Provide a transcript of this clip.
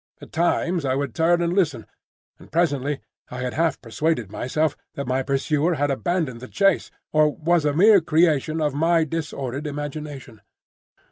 At times I would turn and listen; and presently I had half persuaded myself that my pursuer had abandoned the chase, or was a mere creation of my disordered imagination.